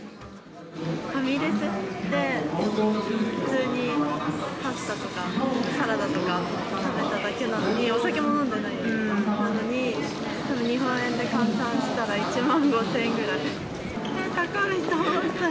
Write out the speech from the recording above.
ファミレスで、普通にパスタとかサラダとか食べただけなのに、お酒も飲んでないのに、なのに、たぶん日本円で換算したら１万５０００円くらい。